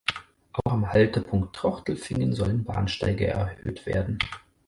Auch am Haltepunkt Trochtelfingen sollen Bahnsteige erhöht werden.